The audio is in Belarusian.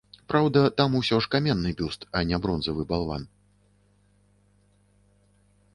Праўда, там усё ж каменны бюст, а не бронзавы балван.